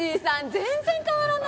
全然変わらない！